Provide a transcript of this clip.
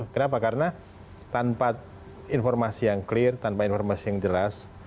kenapa karena tanpa informasi yang clear tanpa informasi yang jelas